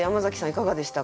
いかがでしたか？